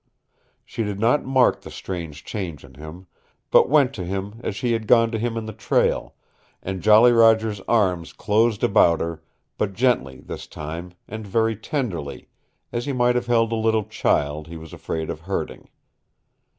She did not mark the strange change in him, but went to him as she had gone to him in the trail, and Jolly Roger's arms closed about her, but gently this time, and very tenderly, as he might have held a little child he was afraid of hurting.